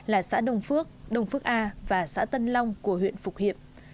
là xã đồng phước đồng phước a và xã tân long của huyện phục hiệp